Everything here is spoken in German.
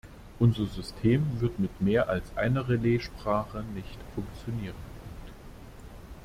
Unser System wird mit mehr als einer Relaissprache nicht funktionieren.